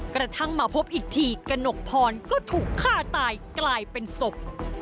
กระทั่งมาพบอีกทีกระหนกพรก็ถูกฆ่าตายกลายเป็นศพ